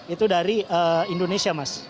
itu dari indonesia mas